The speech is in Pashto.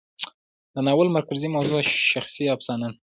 د ناول مرکزي موضوع شخصي افسانه ده.